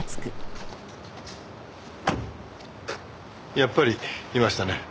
やっぱりいましたね。